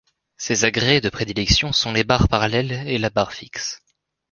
Ses agrès de prédilection sont les barres parallèles et la barre fixe.